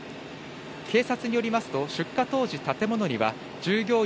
警察によりますと出火当時、建物には従業員